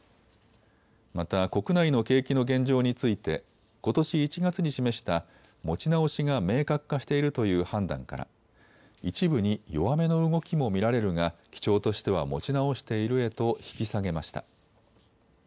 また国内の景気の現状についてことし１月に示した持ち直しが明確化しているという判断から一部に弱めの動きも見られるが基調としては持ち直しているへと引き下げました。